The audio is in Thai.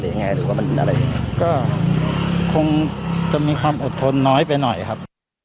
เองไงหรือว่ามันอะไรก็คงคงมีความอดทนน้อยไปหน่อยครับ